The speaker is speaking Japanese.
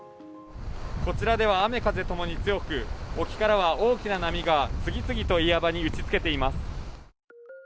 こちらでは雨・風ともに強く、沖からは大きな波が次々と岩場に打ちつけています。